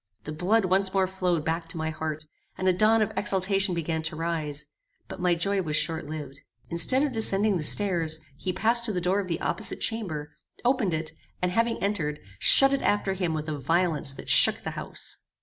The blood once more flowed back to my heart, and a dawn of exultation began to rise: but my joy was short lived. Instead of descending the stairs, he passed to the door of the opposite chamber, opened it, and having entered, shut it after him with a violence that shook the house.